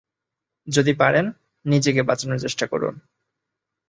যদি পারেন, নিজেকে বাঁচানোর চেষ্টা করুন।